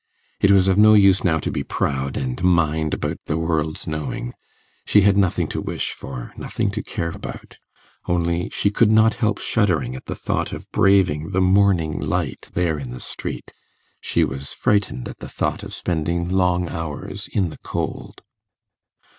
It was of no use now to be proud and mind about the world's knowing: she had nothing to wish for, nothing to care about; only she could not help shuddering at the thought of braving the morning light, there in the street she was frightened at the thought of spending long hours in the cold.